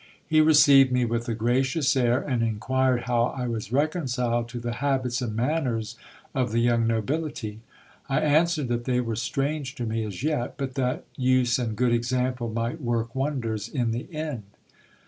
He received me with a gracious air, and inquired how I was reconciled to the habits and manners of die young nobility. I answered, that they were strange to me as yet, but that use and good example might work wonders in the end.